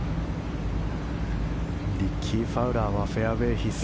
リッキー・ファウラーはフェアウェー必須。